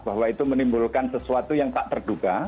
bahwa itu menimbulkan sesuatu yang tak terduga